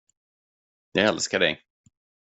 Jag älskar dig.